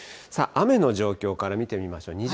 さあ、雨の状況から見てみましょう。